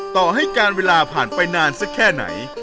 ต่อให้การเวลาผ่านไปนานสักแค่ไหน